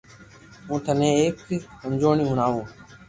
ھون ٿني ايڪ سمجوڻي ھڻاوُ